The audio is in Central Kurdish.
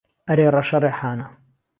ئهرێ رهشهرهێحانه